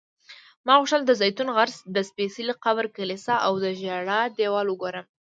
ما غوښتل د زیتون غر، د سپېڅلي قبر کلیسا او د ژړا دیوال وګورم.